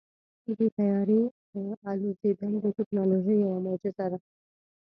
د طیارې الوزېدل د تیکنالوژۍ یوه معجزه ده.